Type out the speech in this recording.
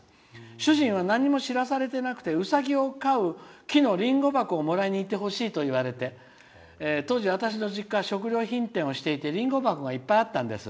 主人は何も知らされていなくてウサギを飼う木のリンゴ箱をもらいにいってほしいと言われて当時、私の実家は食料品店をしていてリンゴ箱がいっぱいあったんです。